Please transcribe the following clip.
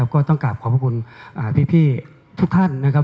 ก็ต้องกลับขอบพระคุณพี่ทุกท่านนะครับ